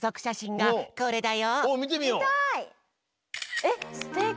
えっすてき！